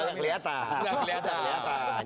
udah gak kelihatan